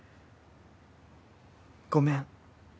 ごめん。